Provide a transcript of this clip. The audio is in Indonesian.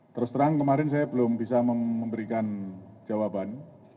terus terang kemarin saya belum bisa memberikan jawaban